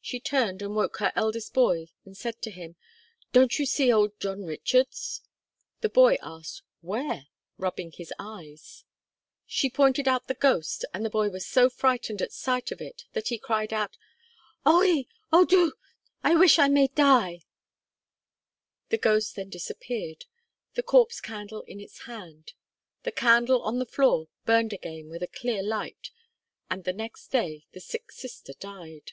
She turned and woke her eldest boy, and said to him, 'Don't you see old John Richards?' The boy asked 'Where?' rubbing his eyes. She pointed out the ghost, and the boy was so frightened at sight of it that he cried out 'O wi! O Dduw! I wish I may die!' The ghost then disappeared, the Corpse Candle in its hand; the candle on the floor burned again with a clear light, and the next day the sick sister died.